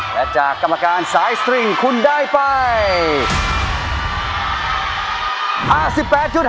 และจากกรรมการสายสตริงคุณได้ไป